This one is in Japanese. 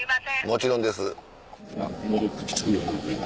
もちろんです。